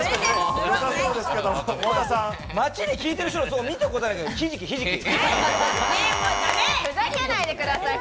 街で聞いてる人みたことない。